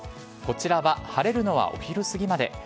こちらは晴れるのはお昼すぎまで。